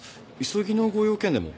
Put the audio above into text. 急ぎのご用件でも？